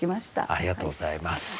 ありがとうございます。